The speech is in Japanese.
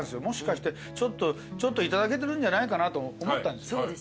もしかしてちょっといただけるんじゃないかなと思ったんですよ。